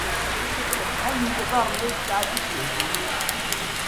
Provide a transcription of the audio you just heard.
Acḥal n yiḍarren ay tesɛa tissist?